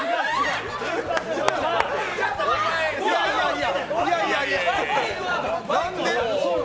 いやいやいやいや。